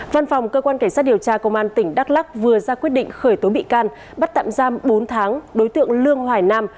văn phòng cơ quan cảnh sát điều tra công an tỉnh đắk lắc vừa ra quyết định khởi tố bị can bắt tạm giam bốn tháng đối tượng lương hoài nam